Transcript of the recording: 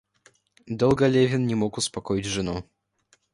Долго Левин не мог успокоить жену.